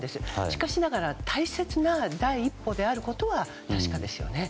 しかしながら大切な第一歩であることは確かですよね。